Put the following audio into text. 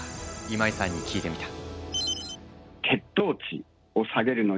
今井さんに聞いてみた。